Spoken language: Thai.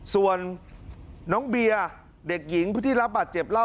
ส่วนน้องเบียร์เด็กหญิงผู้ที่รับบาดเจ็บเล่า